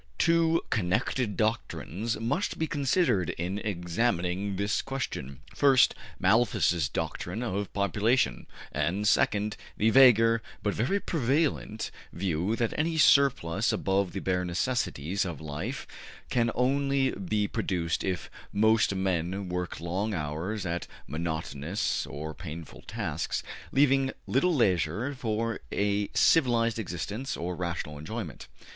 Two connected doctrines must be considered in examining this question: First, Malthus' doctrine of population; and second, the vaguer, but very prevalent, view that any surplus above the bare necessaries of life can only be produced if most men work long hours at monotonous or painful tasks, leaving little leisure for a civilized existence or rational enjoyment.